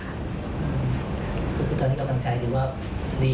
คือตอนนี้กำลังใช้ดีเลย